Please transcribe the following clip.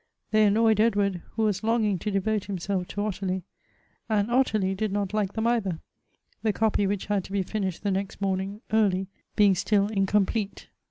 They annoyed Edward, who was longing to devote himself to Ottilie; and Ottilie did not like them either ; the copy which had to be finished the next morning early being still incomplete.